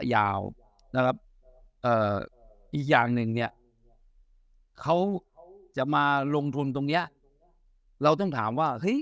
ยาวอีกอย่างนึงเนี่ยเขาจะมาลงทุนตรงนี้เราต้องถามว่า